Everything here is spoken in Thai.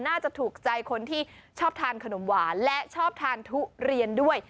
น่าจะถูกใจคนที่ชอบทานขนมหวานและชอบทานทุเรียนด้วย